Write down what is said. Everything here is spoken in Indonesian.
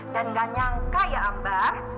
dan nggak nyangka ya mbak